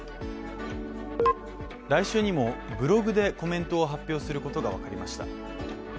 来週にもブログでコメントを発表することが分かりました。